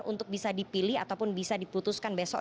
untuk bisa dipilih ataupun bisa diputuskan besok